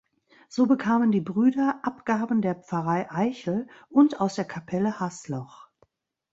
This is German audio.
So bekamen die Brüder Abgaben der Pfarrei Eichel und aus der Kapelle Hasloch.